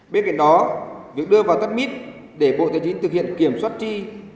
bên cạnh đó việc đưa vào tắt mít để bộ tài chính thực hiện kiểm soát chi